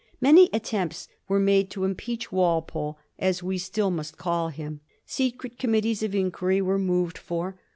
Many attempts were made to impeach Walpole, as we still must call him. Secret committees of inquiry were moved for.